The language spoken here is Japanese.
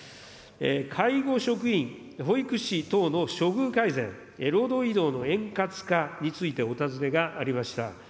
介護職員、保育士等の処遇改善、労働移動の円滑化についてお尋ねがありました。